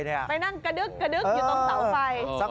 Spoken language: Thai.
ไปนั่งกระดึกอยู่ตรงเสาไฟ